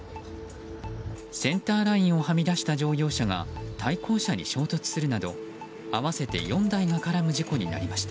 センターラインをはみ出した乗用車が対向車に衝突するなど合わせて４台が絡む事故になりました。